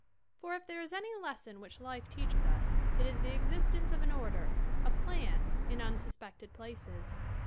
For if there is any lesson which life teaches us it is the existence of an order, a plan, in unsuspected places.